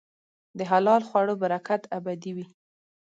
د حلال خوړو برکت ابدي وي.